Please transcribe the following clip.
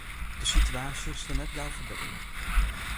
De sitewaasje sil net gau ferbetterje.